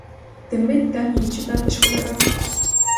Демид дав її читати школярам.